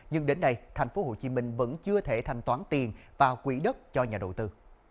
nhưng đến nay tp hcm vẫn chưa thể thành toán tiền và quỹ đất cho nhà đầu tư